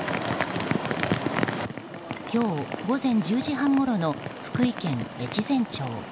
今日午前１０時半ごろの福井県越前町。